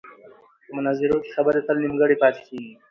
په مناظرو کې خبرې تل نیمګړې پاتې کېږي.